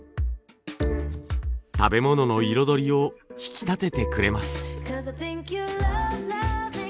食べ物の彩りを引き立ててくれます。